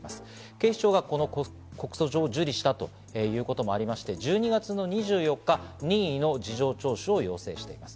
警視庁はこの告訴状を受理したということもありまして、１２月の２４日、任意の事情聴取を要請しています。